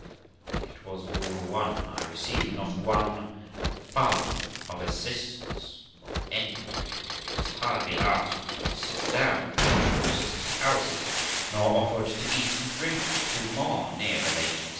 It was all one; I received not one farthing of assistance from anybody, was hardly asked to sit down at the two sisters' houses, nor offered to eat or drink at two more near relations'.